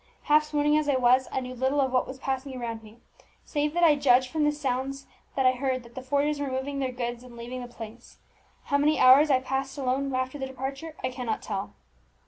Half swooning as I was, I knew little of what was passing around me, save that I judged from the sounds that I heard that the forgers were moving their goods and leaving the place. How many hours I passed alone after their departure I cannot tell.